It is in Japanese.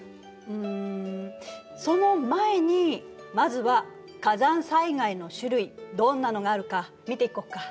うんその前にまずは火山災害の種類どんなのがあるか見ていこっか？